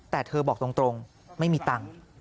แต่เธอบอกตรงไม่มีตังค์